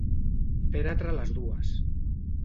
Fèretre a les dues.